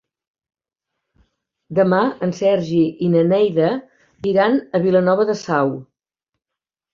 Demà en Sergi i na Neida iran a Vilanova de Sau.